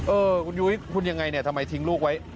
เออคุณยุ้ยคุณยังไงเนี่ยทำไมทิ้งลูกไว้